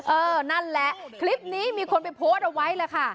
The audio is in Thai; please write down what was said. เออนั่นแหละคลิปนี้มีคนไปโพสต์เอาไว้แหละค่ะ